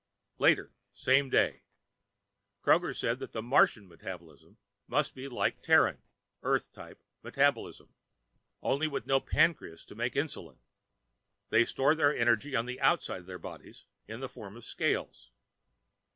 Later, same day. Kroger said that the Martian metabolism must be like Terran (Earth type) metabolism, only with no pancreas to make insulin. They store their energy on the outside of their bodies, in the form of scales.